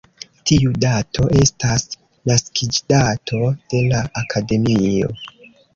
Tiu dato estas naskiĝdato de la akademio.